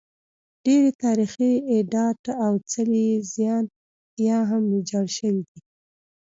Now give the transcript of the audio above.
ډېری تاریخي ابدات او څلي یې زیان یا هم ویجاړ شوي دي